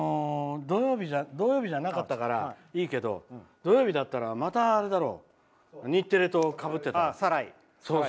土曜日じゃなかったからいいけど土曜日だったらまた日テレとかぶってた。